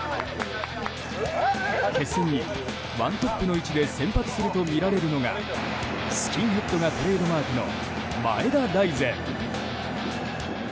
決戦に、１トップの位置で先発するとみられるのがスキンヘッドがトレードマークの前田大然。